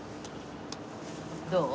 どう？